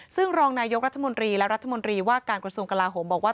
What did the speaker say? ซึ่งรองนายกรัฐมนตรีและรัฐมนตรีว่าการกระทรวงกลาโหมบอกว่า